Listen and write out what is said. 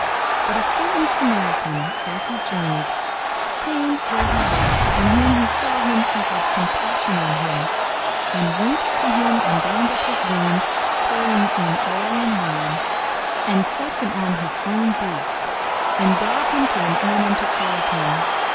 42:010:033 But a certain Samaritan, as he journeyed, came where he was: and when he saw him, he had compassion on him, 42:010:034 And went to him, and bound up his wounds, pouring in oil and wine, and set him on his own beast, and brought him to an inn, and took care of him.